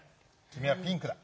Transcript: きみはピンクだ。